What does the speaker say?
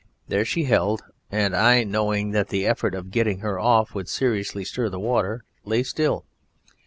There she held and I, knowing that the effort of getting her off would seriously stir the water, lay still.